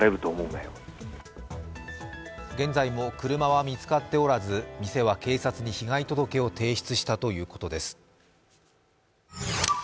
現在も車は見つかっておらず店は警察に被害届を提出したということです。